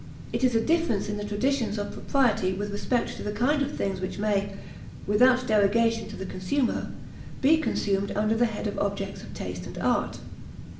It is a difference in the traditions of propriety with respect to the kinds of things which may, without derogation to the consumer, be consumed under the head of objects of taste and art.